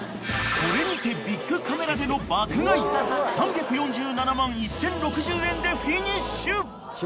［これにてビックカメラでの爆買い３４７万１，０６０円でフィニッシュ］